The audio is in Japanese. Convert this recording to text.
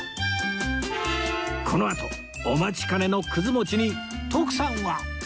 このあとお待ちかねのくず餅に徳さんは